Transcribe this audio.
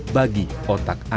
di boudas usana